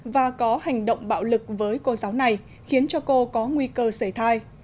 và có hành động bạo lực với cô giáo này khiến cho cô có nguy cơ xảy thai